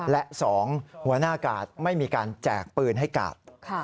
และ๒หัวหน้ากาดไม่มีการแจกปืนให้กาด